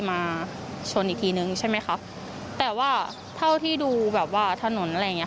แม่มีลูกจุดทุกคนแม่ดูไม่ติดใจ